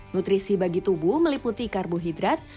nutrisi bagi tubuh meliputi karbohidrat